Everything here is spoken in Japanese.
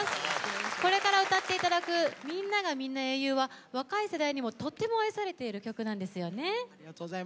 これから歌っていただく「みんながみんな英雄」は若い世代にも、とっても愛されている曲なんですよね。